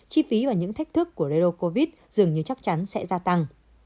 chi phí và những thách thức của redo covid dường như chắc chắn sẽ gia tăng